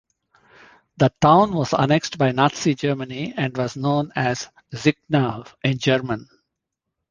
The town was annexed by Nazi Germany and was known as "Zichenau" in German.